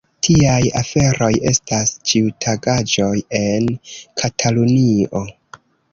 Tiaj aferoj estas ĉiutagaĵoj en Katalunio.